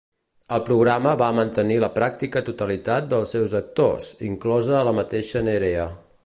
El programa va mantenir la pràctica totalitat dels seus actors, inclosa la mateixa Nerea.